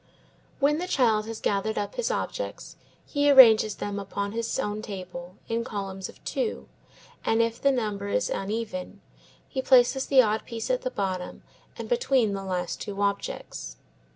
When the child has gathered up his objects he arranges them upon his own table, in columns of two, and if the number is uneven, he places the odd piece at the bottom and between the last two objects.